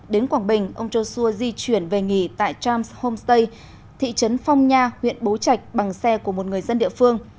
đến quảng bình ông châu sua di chuyển về nghỉ tại charles homestay thị trấn phong nha huyện bố trạch bằng xe của một người dân địa phương